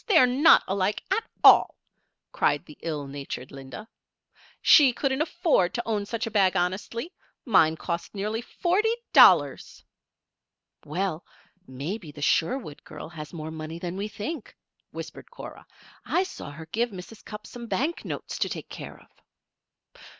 They're not alike, at all," cried the ill natured Linda. "She couldn't afford to own such a bag honestly. Mine cost nearly forty dollars." "Well, maybe the Sherwood girl has more money than we think," whispered Cora. "I saw her give Mrs. Cupp some bank notes to take care of."